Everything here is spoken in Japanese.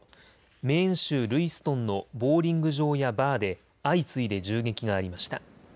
メーン州ルイストンのボウリング場やバーで相次いで銃撃がありました。